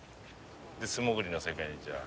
素潜りの世界にじゃあ。